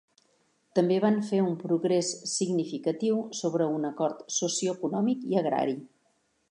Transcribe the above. També van fer un progrés significatiu sobre un acord socioeconòmic i agrari.